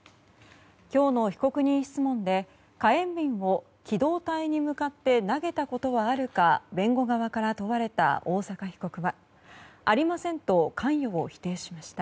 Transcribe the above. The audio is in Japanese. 今日の被告人質問で火炎瓶を機動隊に向かって投げたことはあるか弁護側から問われた大坂被告はありませんと関与を否定しました。